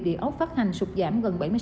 địa ốc phát hành sụt giảm gần bảy mươi sáu